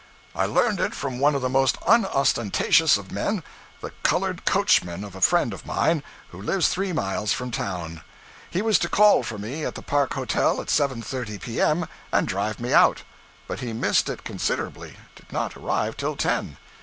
I learned it from one of the most unostentatious of men the colored coachman of a friend of mine, who lives three miles from town. He was to call for me at the Park Hotel at 7.30 P.M., and drive me out. But he missed it considerably did not arrive till ten.